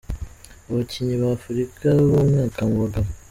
Abakinyi ba Afrika b'umwaka mu bagabo:.